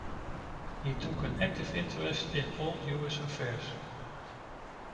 He took an active interest in all Jewish affairs.